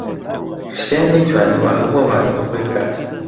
حوسێن نەیتوانیوە هەموو ئەمانە بە خۆی بکات.